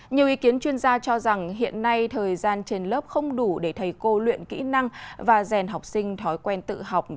nhiều ý kiến chuyên gia cho rằng hiện nay thời gian trên lớp không đủ để thầy cô luyện kỹ năng và rèn học sinh thói quen tự học